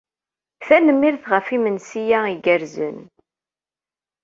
Tanemmirt ɣef yimensi-a igerrzen.